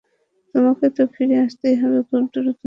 তোমাকে তো ফিরে আসতেই হবে, খুব দ্রুত।